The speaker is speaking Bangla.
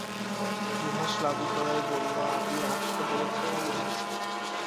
নুহাশ লাজুক গলায় বলল, আপনি আসতে বলেছিলেন, আমি এসেছি।